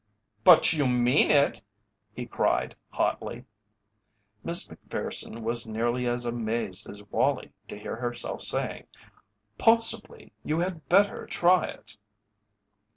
"But you mean it!" he cried, hotly. Miss Macpherson was nearly as amazed as Wallie to hear herself saying: "Possibly you had better try it."